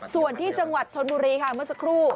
ส่วนที่จังหวัดชนบุรีค่ะเมื่อสักครู่